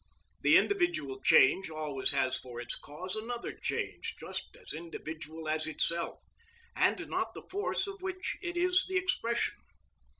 The individual change always has for its cause another change just as individual as itself, and not the force of which it is the expression.